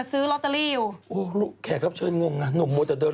เกือบชั่วโมงนั่งเลือก